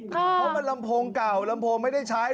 เพราะมันลำโพงเก่าลำโพงไม่ได้ใช้